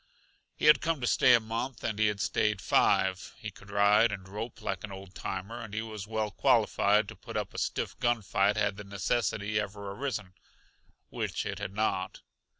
He had come to stay a month, and he had stayed five. He could ride and rope like an old timer, and he was well qualified to put up a stiff gun fight had the necessity ever arisen which it had not.